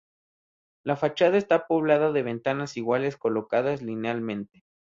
La fachada está poblada de ventanas iguales colocadas linealmente.